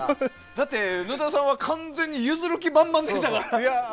だって、のんたろうさんは完全に譲る気満々でしたからね。